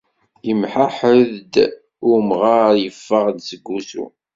Yemḥaḥḥed-d umɣar yeffeɣ-d seg wusu.